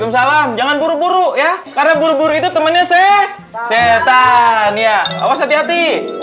salam jangan buru buru ya karena buru buru itu temennya setan ya awas hati hati